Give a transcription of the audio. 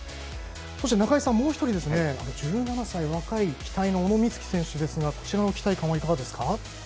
そして中井さん、もう１人若い期待の小野光希選手ですがこちらの期待感はいかがですか。